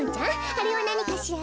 あれはなにかしら？